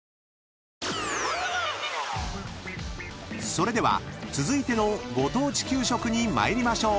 ［それでは続いてのご当地給食に参りましょう］